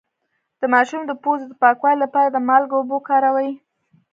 د ماشوم د پوزې د پاکوالي لپاره د مالګې اوبه وکاروئ